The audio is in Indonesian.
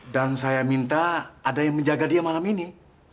dan saya minta ada yang menjaga dia malam ini